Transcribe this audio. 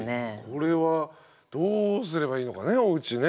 これはどうすればいいのかねおうちね。